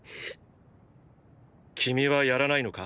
君はやらないのか？